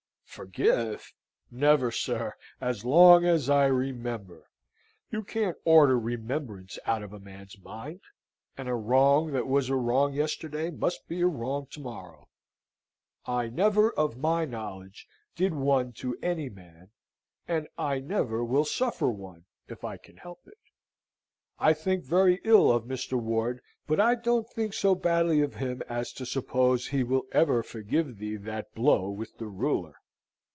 "Forgive? Never, sir, as long as I remember. You can't order remembrance out of a man's mind; and a wrong that was a wrong yesterday must be a wrong to morrow. I never, of my knowledge, did one to any man, and I never will suffer one, if I can help it. I think very ill of Mr. Ward, but I don't think so badly of him as to suppose he will ever forgive thee that blow with the ruler.